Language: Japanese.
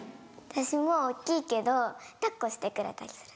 私もう大っきいけど抱っこしてくれたりする。